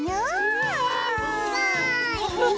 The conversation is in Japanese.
えすごい！